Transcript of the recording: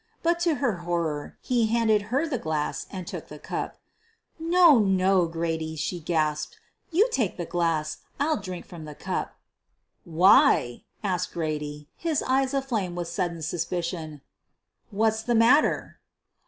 But to her horror, he handed her the glass and took the cup. "No, no, John," she gasped, "you take the glass. I'll drink from the cup." "Why," asked Grady, his eyes aflame with sud den suspicion, "what's the matter?"